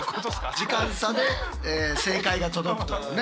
時間差で正解が届くというね。